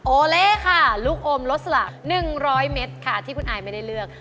โอเล่ค่ะลูกอมลดสละ๑๐๐เมตรค่ะที่คุณอายไม่ได้เลือก